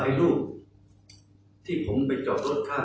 ไอ้ลูกที่ผมไปจอดรถทาง